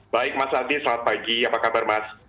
baik mas aldi selamat pagi apa kabar mas